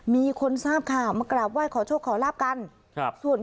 มีคนทราบข่าวมากราบไหว้ขอโชคขอลาบกันครับ